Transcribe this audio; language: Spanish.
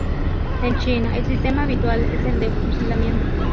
En China, el sistema habitual es el de fusilamiento.